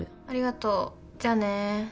ありがとうじゃあね。